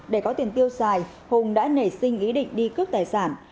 để có tiền tiêu xài hùng đã nảy sinh ý định đi cướp tài sản